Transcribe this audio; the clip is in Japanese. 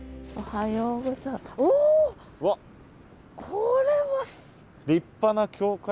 これは。